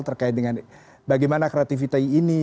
terkait dengan bagaimana kreativitas ini